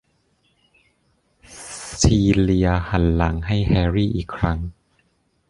ซีเลียหันหลังให้แฮร์รี่อีกครั้ง